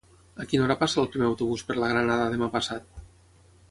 A quina hora passa el primer autobús per la Granada demà passat?